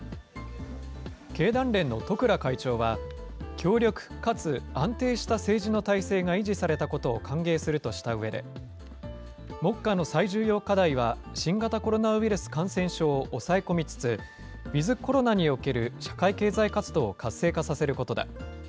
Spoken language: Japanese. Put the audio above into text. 経団連の十倉会長は、強力かつ安定した政治の体制が維持されたことを歓迎するとしたうえで、目下の最重要課題は、新型コロナウイルス感染症を抑え込みつつ、ウィズコロナにおける社会経済活動を活性化させることだ。